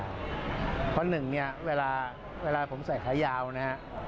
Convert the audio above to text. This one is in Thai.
เพราะหนึ่งเนี่ยเวลาผมใส่ขายาวนะฮะ